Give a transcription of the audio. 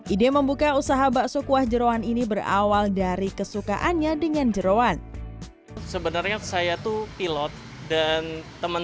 ide membuka usaha bakso kuah jerawan ini berawal dari kesukaannya dengan jerawan sebenarnya saya